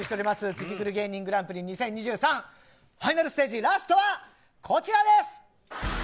ツギクル芸人グランプリ２０２３ファイナルステージ、ラストはこちらです。